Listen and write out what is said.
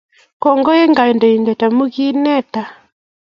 Kongoi eng konetindet amu keneta